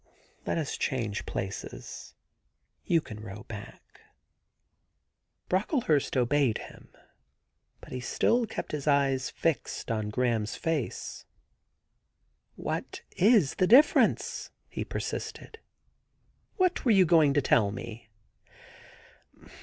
' Let us change places. You can row back.' 80 THE GARDEN GOD Brocklehurst obeyed hiip, but he still kept his eyes fixed on Graham's face. *What is the difference?' he persisted. * What were you going to tell me